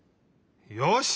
よし！